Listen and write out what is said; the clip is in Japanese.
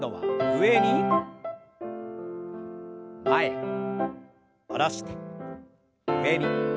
前に下ろして上に。